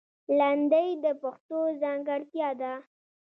لندۍ د پښتو ځانګړتیا ده